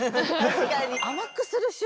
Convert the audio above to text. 確かに。